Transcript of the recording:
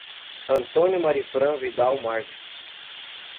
Antônio Marifram Vidal Marques